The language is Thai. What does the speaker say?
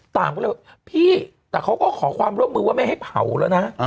ก็เลยว่าพี่แต่เขาก็ขอความร่วมมือว่าไม่ให้เผาแล้วนะ